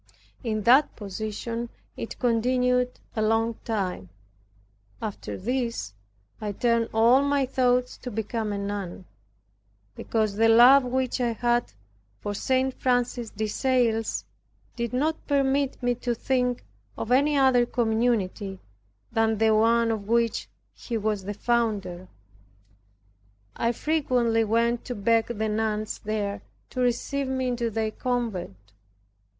In that position it continued a long time. After this, I turned all my thoughts to become a nun. Because the love which I had for St. Francis de Sales did not permit me to think of any other community than the one of which he was the founder, I frequently went to beg the nuns there to receive me into their convent.